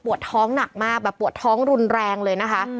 ท้องหนักมากแบบปวดท้องรุนแรงเลยนะคะ